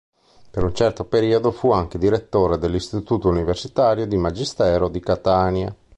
Per un certo periodo fu anche direttore dell'Istituto Universitario di Magistero di Catania.